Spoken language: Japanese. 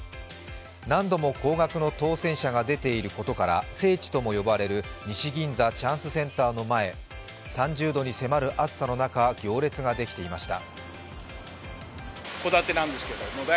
何度も高額の当選者が出ていることから聖地とも呼ばれる西銀座チャンスセンターの前、３０度に迫る暑さの中、行列ができていました。